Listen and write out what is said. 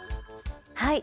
はい。